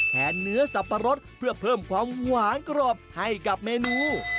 เนื้อสับปะรดเพื่อเพิ่มความหวานกรอบให้กับเมนู